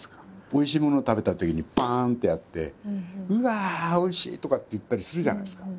おいしいものを食べたときにパンってやって「うわおいしい！」とかって言ったりするじゃないですか。